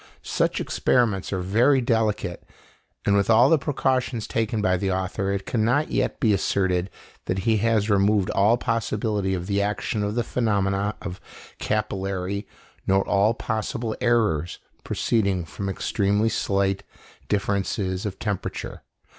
Such experiments are very delicate; and with all the precautions taken by the author, it cannot yet be asserted that he has removed all possibility of the action of the phenomena of capillarity nor all possible errors proceeding from extremely slight differences of temperature.